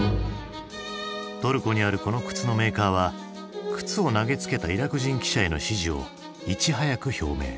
トルコにあるこの靴のメーカーは靴を投げつけたイラク人記者への支持をいち早く表明。